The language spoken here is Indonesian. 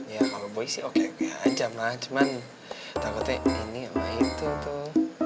ya kalau boy sih oke oke aja ma cuma takutnya ini sama itu tuh